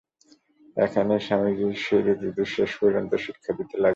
এইখানেই স্বামীজী সেই ঋতুটির শেষ পর্যন্ত শিক্ষা দিতে লাগিলেন।